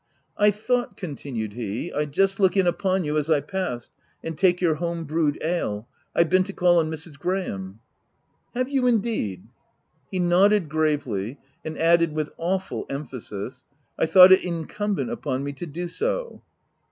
a I thought," continued he, " I'd just look in upon you as I passed, and taste your home brewed ale. I've been to call on Mrs. Graham." " Have you indeed ?" He nodded gravely, and added with awful emphasis —" I thought it incumbent upon me to do so."